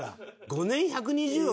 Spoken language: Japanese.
５年１２０億。